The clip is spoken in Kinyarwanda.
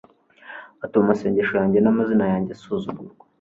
atuma amasengesho yanjye n'amazina yanjye asuzugurwa